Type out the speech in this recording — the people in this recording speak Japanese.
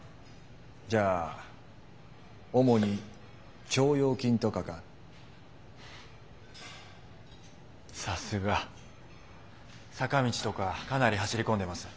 じゃあ主に「腸腰筋」とかか。さすが。「坂道」とかかなり走り込んでます。